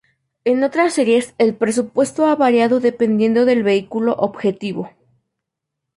En otras series el presupuesto ha variado, dependiendo del vehículo objetivo.